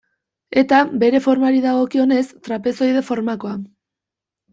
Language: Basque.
Eta, bere formari dagokionez, trapezoide formakoa.